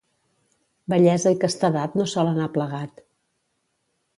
Bellesa i castedat no sol anar plegat.